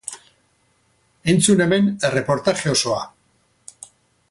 Entzun hemen erreportaje osoa!